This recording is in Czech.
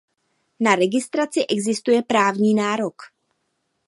Na registraci existuje právní nárok.